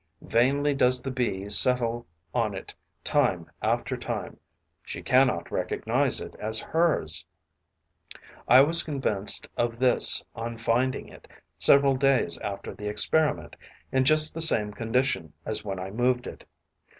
Vainly does the Bee settle on it time after time: she cannot recognize it as hers. I was convinced of this on finding it, several days after the experiment, in just the same condition as when I moved it.